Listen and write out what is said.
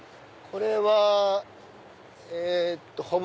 これはえっと。